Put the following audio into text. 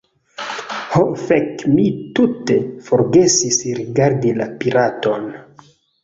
Ho fek, mi tute forgesis rigardi la piraton!